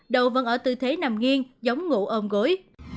đầu vẫn ở tư thế nằm nghiêng giống ngủ ôm gối